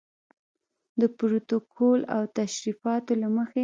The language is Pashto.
د پروتوکول او تشریفاتو له مخې.